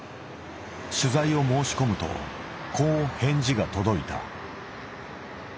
取材を申し込むとこう返事が届いた。